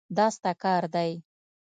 دا ستا کار دی.